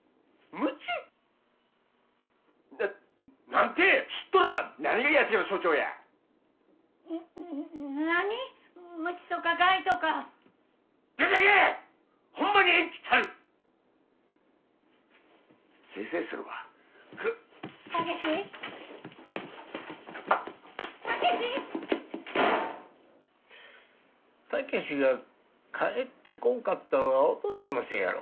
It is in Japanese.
武志が帰ってこんかったんはお父ちゃんのせいやろ。